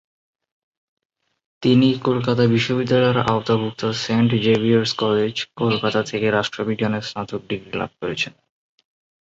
তিনি কলকাতা বিশ্ববিদ্যালয়ের আওতাভুক্ত সেন্ট জেভিয়ার্স কলেজ, কলকাতা থেকে রাষ্ট্রবিজ্ঞানে স্নাতক ডিগ্রি লাভ করেছেন।